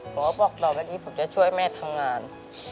ผมก็บอกตอนวันนี้ผมจะช่วยแม่ทำงาน